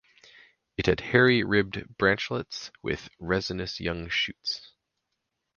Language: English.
It has hairy ribbed branchlets with resinous young shoots.